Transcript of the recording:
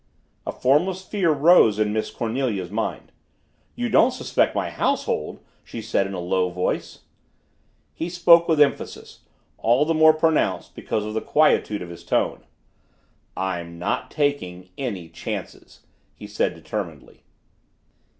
A formless fear rose in Miss Cornelia's mind. "You don't suspect my household?" she said in a low voice. He spoke with emphasis all the more pronounced because of the quietude of his tone. "I'm not taking any chances," he said determinedly.